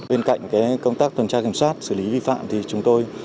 bên cạnh công tác tuần tra kiểm soát xử lý vi phạm thì chúng tôi